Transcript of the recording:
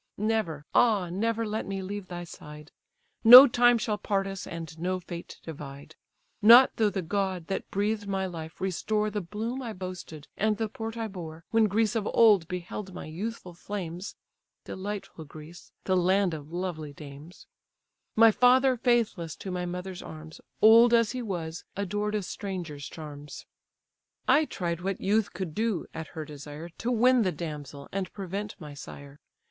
Never, ah, never let me leave thy side! No time shall part us, and no fate divide, Not though the god, that breathed my life, restore The bloom I boasted, and the port I bore, When Greece of old beheld my youthful flames (Delightful Greece, the land of lovely dames), My father faithless to my mother's arms, Old as he was, adored a stranger's charms. I tried what youth could do (at her desire) To win the damsel, and prevent my sire.